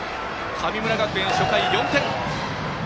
神村学園、初回４点！